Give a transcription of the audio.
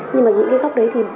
nhưng mà những cái góc đấy thì